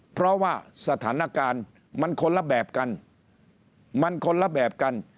เพราะว่าสถานการณ์มันคนละแบบกัน